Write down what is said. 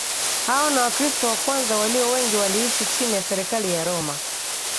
Hao na Wakristo wa kwanza walio wengi waliishi chini ya serikali ya Roma